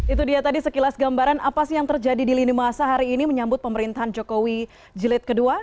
itu dia tadi sekilas gambaran apa sih yang terjadi di lini masa hari ini menyambut pemerintahan jokowi jilid ii